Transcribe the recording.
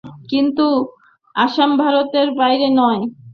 কিন্তু আসাম ভারতের বাইরে নয়।